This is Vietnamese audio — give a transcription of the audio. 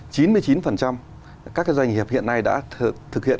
các cái doanh nghiệp hiện nay đã thực hiện